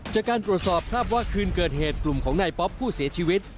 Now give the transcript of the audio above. จากการตรวจสอบทราบว่าคืนเกิดเหตุกลุ่มของนายป๊อปผู้เสียชีวิต